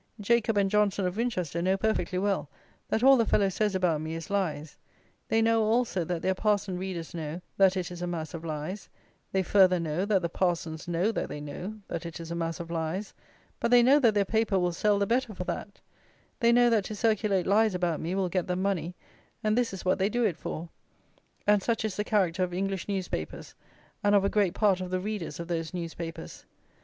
Jacob and Johnson, of Winchester, know perfectly well that all the fellow says about me is lies; they know also that their parson readers know that it is a mass of lies: they further know that the parsons know that they know that it is a mass of lies; but they know that their paper will sell the better for that; they know that to circulate lies about me will get them money, and this is what they do it for, and such is the character of English newspapers, and of a great part of the readers of those newspapers.